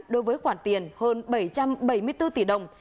đối với khoản tiền hơn bảy trăm bảy mươi bốn tỷ đồng